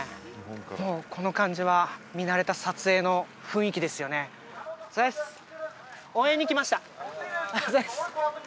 もうこの感じは見慣れた撮影の雰囲気ですよねお疲れっす応援に来ました